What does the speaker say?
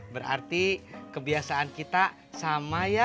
berarti kebiasaan kita sama ya